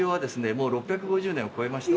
もう６５０年を超えました。